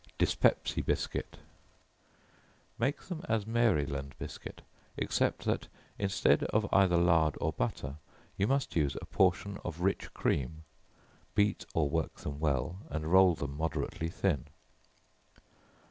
Dyspepsy Biscuit. Make them as Maryland biscuit, except that, instead of either lard or butter, you must use a portion of rich cream, beat or work them well, and roll them moderately thin.